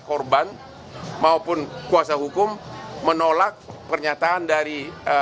korban maupun kuasa hukum menolak pernyataan dari